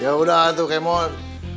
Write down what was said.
ya udah tuh kemot